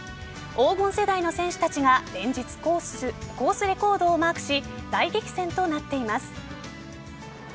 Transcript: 黄金世代の選手たちが連日コースレコードをマークし大激戦となっています。